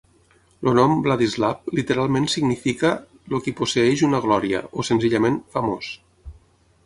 El nom Vladislav literalment significa El qui posseeix una glòria, o senzillament Famós.